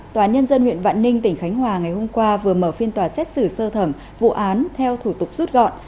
tòa nhân dân huyện vạn ninh tỉnh khánh hòa ngày hôm qua vừa mở phiên tòa xét xử sơ thẩm vụ án theo thủ tục rút gọn